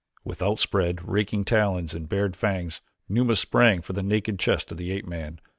With outspread, raking talons and bared fangs Numa sprang for the naked chest of the ape man.